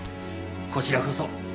こちらこそ。